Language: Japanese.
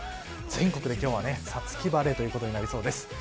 全国で今日は五月晴れになりそうです。